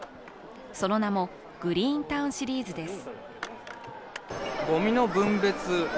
その名もグリーンタウンシリーズです。